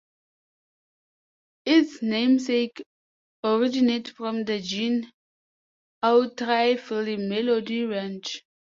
Its namesake originates from the Gene Autry film "Melody Ranch".